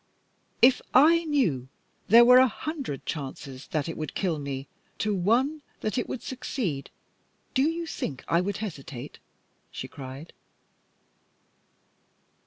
"If I knew there were a hundred chances that it would kill me to one that it would succeed, do you think I would hesitate?" she cried.